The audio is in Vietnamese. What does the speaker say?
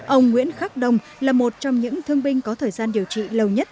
ông nguyễn khắc đông là một trong những thương binh có thời gian điều trị lâu nhất